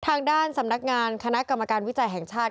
ทางด้านสำนักงานคณะกรรมการวิจัยแห่งชาติ